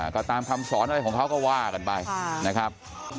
ก็ตามคำสอนอะไรของเขาก็ว่ากันไปนะครับ